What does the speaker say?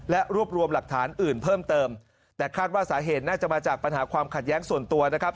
และรวบรวมหลักฐานอื่นเพิ่มเติมแต่คาดว่าสาเหตุน่าจะมาจากปัญหาความขัดแย้งส่วนตัวนะครับ